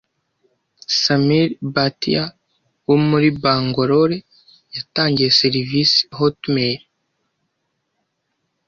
Sameer Bhatia wo muri Bangalore yatangiye serivisi Hotmail